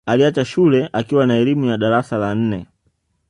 Aliacha shule akiwa na elimu ya darasa la nne